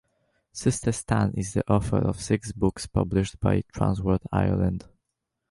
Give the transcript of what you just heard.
Sister Stan is the author of six books published by Transworld Ireland.